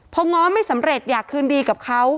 พอง้อไม่สำเร็จอยากคืนดีกับเขา